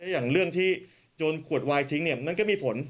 อย่างเรื่องที่โยนขวดวายทิ้งเนี่ยมันก็มีผล